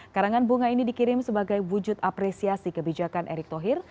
karangan bunga ini dikirim sebagai wujud apresiasi kebijakan erick thohir